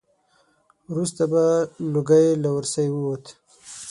وروسته به لوګی له ورسی ووت.